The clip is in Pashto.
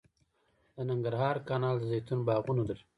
د ننګرهار کانال د زیتون باغونه لري